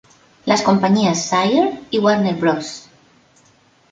Las compañías Sire y Warner Bros.